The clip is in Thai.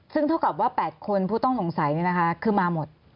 ซึ่งเท่ากับว่า๘คนผู้ต้องสงสัยคือมาหมด